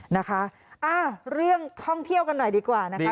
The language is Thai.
นะคะเรื่องท่องเที่ยวกันหน่อยดีกว่านะคะ